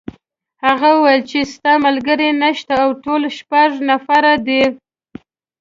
هغه وویل چې ستا ملګري نشته او ټول شپږ نفره دي.